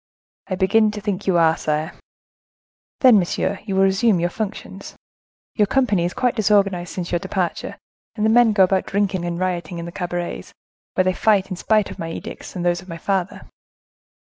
"I begin to think you are, sire." "Then, monsieur, you will resume your functions. Your company is quite disorganized since your departure, and the men go about drinking and rioting in the cabarets, where they fight, in spite of my edicts, and those of my father.